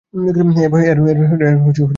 এর কোনও ব্যাখ্যা নেই।